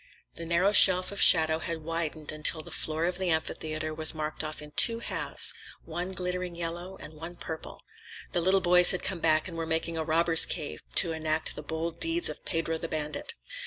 The narrow shelf of shadow had widened until the floor of the amphitheater was marked off in two halves, one glittering yellow, and one purple. The little boys had come back and were making a robbers' cave to enact the bold deeds of Pedro the bandit.